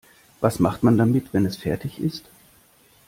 Was macht man damit, wenn es fertig ist?